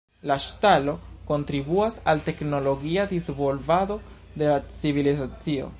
La ŝtalo kontribuas al teknologia disvolvado de la civilizacio.